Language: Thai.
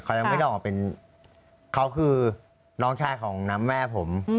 เขายังไม่ได้ออกเป็นเขาคือน้องชายของน้ำแม่ผม